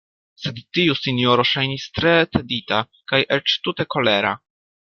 Sed tiu sinjoro ŝajnis tre tedita, kaj eĉ tute kolera.